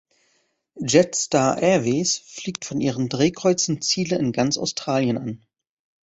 Jetstar Airways fliegt von ihren Drehkreuzen Ziele in ganz Australien an.